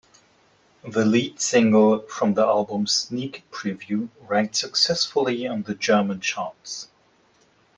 The lead single from the album, "Sneak Preview", ranked successfully on the German charts.